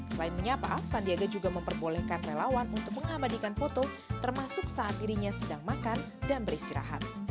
selain menyapa sandiaga juga memperbolehkan relawan untuk mengabadikan foto termasuk saat dirinya sedang makan dan beristirahat